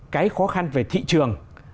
cái khó khăn về thị trường